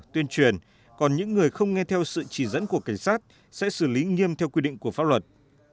tuyên truyền còn những người không nghe theo sự chỉ dẫn của cảnh sát sẽ xử lý nghiêm theo quy định của pháp luật